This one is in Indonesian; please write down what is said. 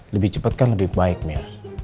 lebih cepet kan lebih baik mir